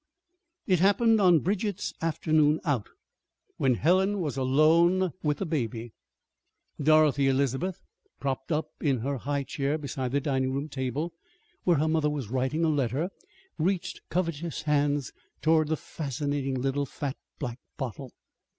It happened on Bridget's "afternoon out," when Helen was alone with the baby. Dorothy Elizabeth, propped up in her high chair beside the dining room table, where her mother was writing a letter, reached covetous hands toward the fascinating little fat black bottle.